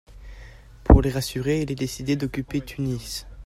Pour les rassurer, il est décidé d'occuper Tunis.